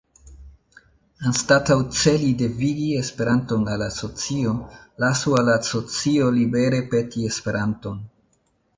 Anstataŭ celi devigi Esperanton al la socio, lasu al la socio libere peti Esperanton.